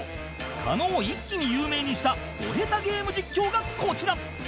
狩野を一気に有名にしたド下手ゲーム実況がこちら